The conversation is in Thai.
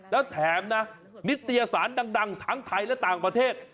แล้วแถมนะนิตยสารดังทั้งไทยและต่างประเทศ